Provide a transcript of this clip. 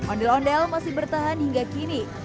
ondel ondel masih bertahan hingga kini